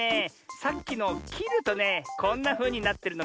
さっきのをきるとねこんなふうになってるのミズよ。